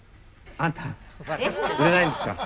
あんた売れないんですか？